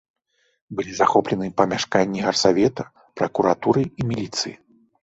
Былі захоплены памяшканні гарсавета, пракуратуры і міліцыі.